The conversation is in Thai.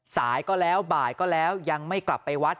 สายก็แล้วบ่ายก็แล้วยังไม่กลับไปวัด